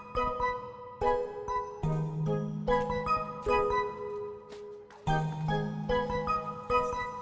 dua tahun penjara